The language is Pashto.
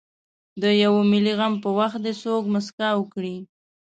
د یوه ملي غم په وخت دې څوک مسکا وکړي.